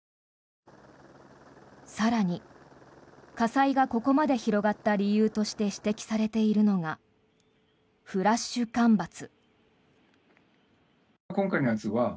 更に、火災がここまで広がった理由として指摘されているのがフラッシュ干ばつ。